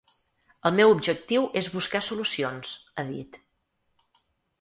El meu objectiu és buscar solucions, ha dit.